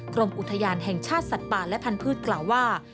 กรมอุทยานแห่งชาติสัตว์ป่าและพันธุ์กล่าวว่า